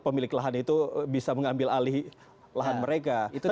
pemilik lahan itu bisa mengambil alih lahan mereka